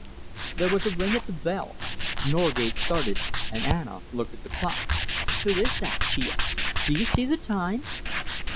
There was a ring at the bell. Norgate started, and Anna looked at the clock. "Who is that?" she asked. "Do you see the time?"